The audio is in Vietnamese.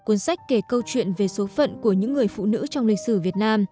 cuốn sách kể câu chuyện về số phận của những người phụ nữ trong lịch sử việt nam